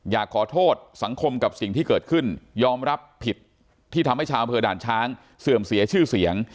อยากขอโทษสังคมกับสิ่งที่เกิดขึ้นยอมรับผิดที่ทำให้ชาวอำเภอด่านช้างเสื่อมเสียชื่อเสียง